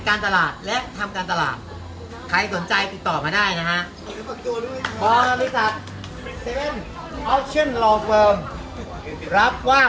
ตลาดและทำการตลาดใครสนใจติดต่อมาได้นะฮะ